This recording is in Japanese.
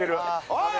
おい！